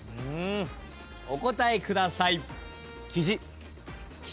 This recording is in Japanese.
お答えください。